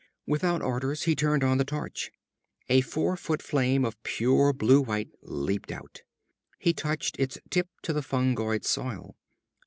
Without orders, he turned on the torch. A four foot flame of pure blue white leaped out. He touched its tip to the fungoid soil.